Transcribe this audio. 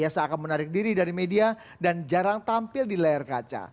seakan menarik diri dari media dan jarang tampil di layar kaca